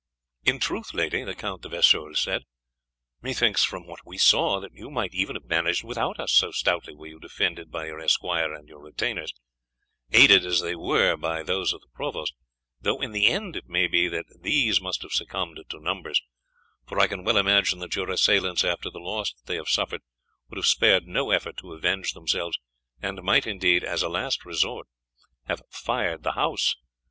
"In truth, lady," the Count de Vesoul said, "methinks from what we saw that you might even have managed without us, so stoutly were you defended by your esquire and your retainers, aided as they were by those of the provost, though in the end it may be that these must have succumbed to numbers; for I can well imagine that your assailants, after the loss that they have suffered, would have spared no effort to avenge themselves, and might indeed, as a last resource, have fired the house.